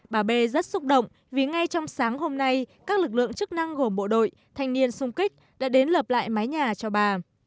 bà b rất xúc động vì ngay trong sáng hôm nay các lực lượng chức năng gồm bộ đội thanh niên sung kích đã đến lập lại mái nhà cho bà